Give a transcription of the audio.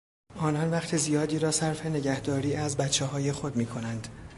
آنان وقت زیادی را صرف نگهداری از بچههای خود میکنند.